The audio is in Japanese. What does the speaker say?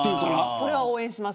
それは応援します。